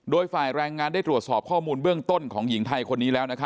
โดยฝ่ายแรงงานได้ตรวจสอบข้อมูลเบื้องต้นของหญิงไทยคนนี้แล้ว